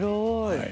はい。